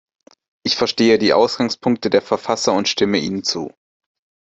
Ich verstehe die Ausgangspunkte der Verfasser und stimme ihnen zu.